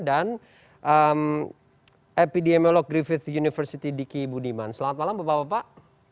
dan epidemiolog griffith university diki budiman selamat malam bapak bapak